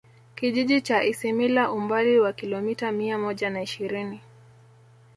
Kijiji cha Isimila umbali wa kilomita mia moja na ishirini